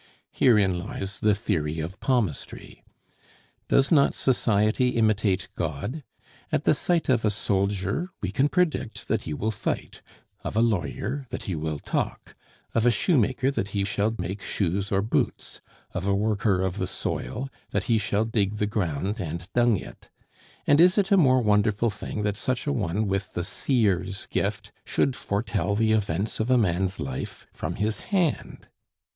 Herein lies the theory of palmistry. Does not Society imitate God? At the sight of a soldier we can predict that he will fight; of a lawyer, that he will talk; of a shoemaker, that he shall make shoes or boots; of a worker of the soil, that he shall dig the ground and dung it; and is it a more wonderful thing that such an one with the "seer's" gift should foretell the events of a man's life from his hand?